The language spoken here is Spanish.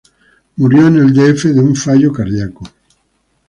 Murió en el D. F. de un fallo cardiaco.